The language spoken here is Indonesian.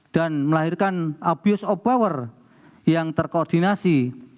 dan melahirkan abuse of power yang terkoordinasi